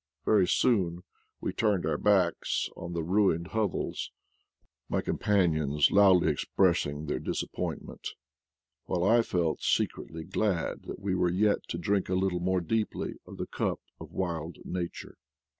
Very soon we turned our backs on the ruined hovels, my com panions loudly expressing their disappointment, while I felt secretly glad that we were yet to drink a little more deeply of the cup of wild na ture.